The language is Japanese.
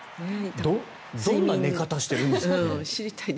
どんな寝方しているんですかね。